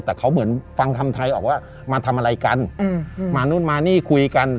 แต่เขาเหมือนฟังทำไทยออกว่ามาทำอะไรกันมานู่นมานี่คุยกัน